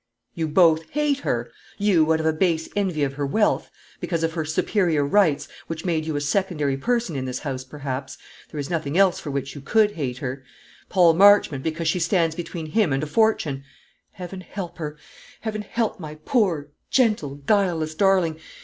"You both hate her. You, out of a base envy of her wealth; because of her superior rights, which made you a secondary person in this house, perhaps, there is nothing else for which you could hate her. Paul Marchmont, because she stands between him and a fortune. Heaven help her! Heaven help my poor, gentle, guileless darling!